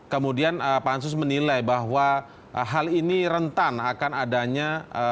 kemudian pak hansus menilai bahwa hal ini rentan akan adanya pelanggaran hak asesi manusia dalam upaya penegakan hukum